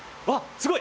すごい！